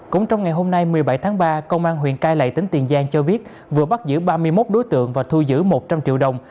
cũng trong ngày hôm nay một mươi bảy tháng ba công an huyện cai lệ tỉnh tiền giang cho biết vừa bắt giữ ba mươi một đối tượng và thu giữ một trăm linh triệu đồng